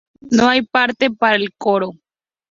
No hay parte para el coro.